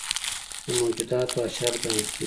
د موجوداتو اشرف ګڼل کېږي.